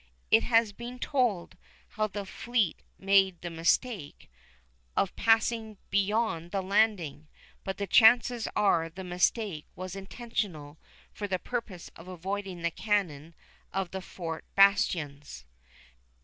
It has been told how the fleet made the mistake of passing beyond the landing, but the chances are the mistake was intentional for the purpose of avoiding the cannon of the fort bastions.